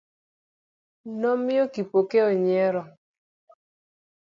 Nomiyo Kipokeo nyiero.